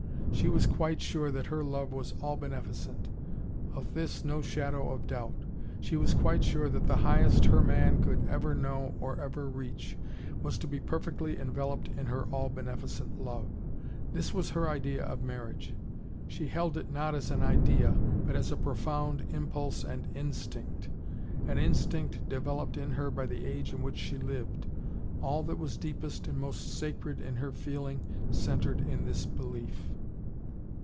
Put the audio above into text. She was quite sure that her love was all beneficent. Of this no shadow of doubt. She was quite sure that the highest her man could ever know or ever reach, was to be perfectly enveloped in her all beneficent love. This was her idea of marriage. She held it not as an idea, but as a profound impulse and instinct: an instinct developed in her by the age in which she lived. All that was deepest and most sacred in he feeling centred in this belief.